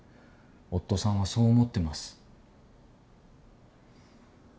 夫さんはそう思ってます。